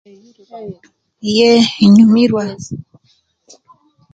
Yee enyumirwa